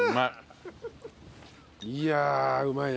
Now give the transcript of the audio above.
いやうまいね。